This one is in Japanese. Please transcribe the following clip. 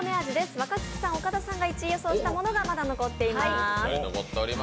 若槻さん、岡田さんが１位予想したものがまだ残っています。